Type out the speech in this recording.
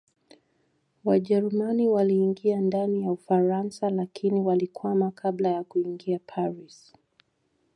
Wajerumani waliingia ndani ya Ufaransa lakini walikwama kabla ya kuingia Paris